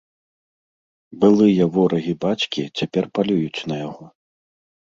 Былыя ворагі бацькі цяпер палююць на яго.